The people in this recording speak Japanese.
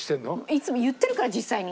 いつも言ってるから実際に。